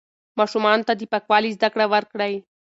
ماشومانو ته د پاکوالي زده کړه ورکړئ.